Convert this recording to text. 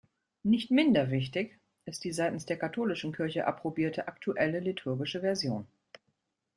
Nicht minder wichtig ist die seitens der katholischen Kirche approbierte aktuelle liturgische Version.